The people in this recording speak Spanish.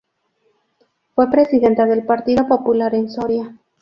Fue presidente del Partido Popular en Soria.